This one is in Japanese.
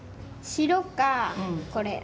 白かこれ。